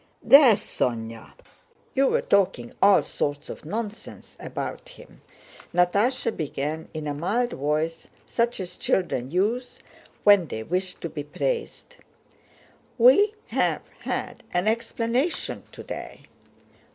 "There, Sónya, you were talking all sorts of nonsense about him," Natásha began in a mild voice such as children use when they wish to be praised. "We have had an explanation today."